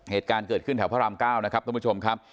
เหตุการณ์เกิดขึ้นแถวพระราม๙นะครับท่านผู้ชมครับ